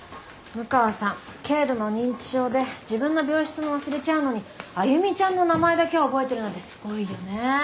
六川さん軽度の認知症で自分の病室も忘れちゃうのに歩ちゃんの名前だけは覚えてるなんてすごいよね。